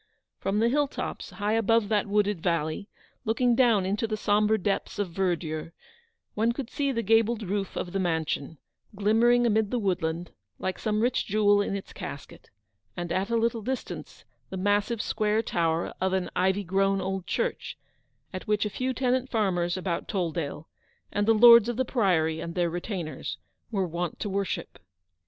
From the hill tops, high above that wooded valley, looking down into the sombre depths of verdure, one could see the gabled roof of the mansion, glimmering amid the woodland, like some rich jewel in its casket ; and, at a little distance, the massive square tower of an ivy grown old church, at which a few tenant farmers about Tolldale, and the lords of the Priory and their retainers, were wont to worship.